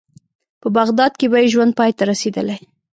په بغداد کې به یې ژوند پای ته رسېدلی.